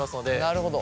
なるほど。